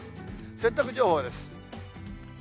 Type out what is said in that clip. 洗濯情報です。